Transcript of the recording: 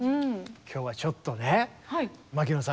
今日はちょっとね牧野さん